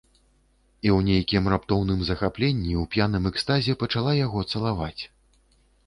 І ў нейкім раптоўным захапленні, у п'яным экстазе пачала яго цалаваць.